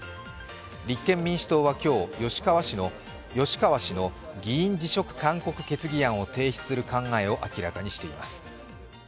立憲民主党は今日、吉川氏の議員辞職勧告決議案を提出する考えを明らかにしています。